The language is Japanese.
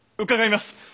伺います。